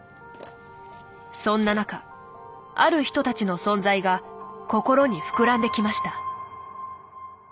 そんな中ある人たちの存在が心に膨らんできました。